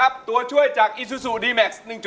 สมชื่อจริงเล่นแบบแมน